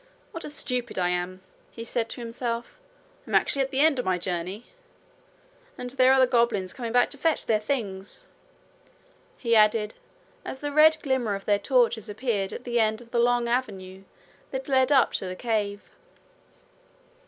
'What a stupid I am!' he said to himself. 'I am actually at the end of my journey! And there are the goblins coming back to fetch their things!' he added, as the red glimmer of their torches appeared at the end of the long avenue that led up to the cave.